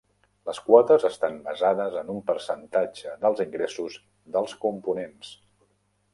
Les quotes estan basades en un percentatge dels ingressos dels components.